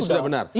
pasti sudah benar